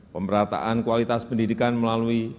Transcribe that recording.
pemberataan kualitas pendidikan melalui